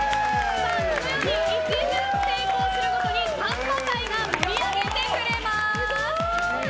このように１巡成功するごとにサンバ隊が盛り上げてくれます！